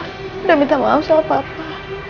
udah minta maaf salah papa